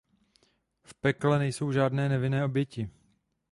V pekle nejsou žádné nevinné oběti.